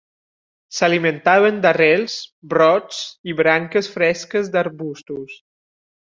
S'alimentaven d'arrels, brots i branques fresques d'arbustos.